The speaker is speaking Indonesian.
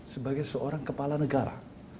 sebagai seorang kepala negara